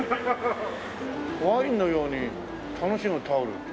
「ワインのように愉しむタオル」